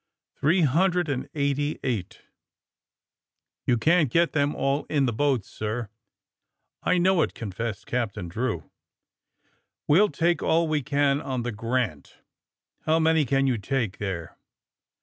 '^ Three hundred and eighty eight !'' *^You can't get them all in the boats, sir." *'I know it," confessed Captain Drew. We'll take all we can on the 'Grant.' " ''How many can you take there?"